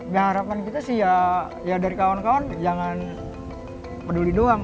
ya harapan kita sih ya dari kawan kawan jangan peduli doang